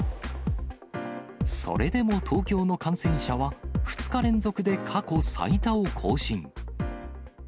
それでも東京の感染者は２日連続で過去最多を更新。